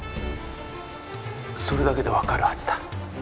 それだけでわかるはずだ。